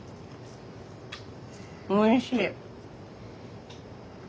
おいしい！